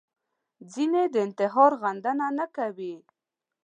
ځینې د انتحار غندنه نه کوي